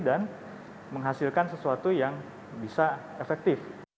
dan menghasilkan sesuatu yang bisa efektif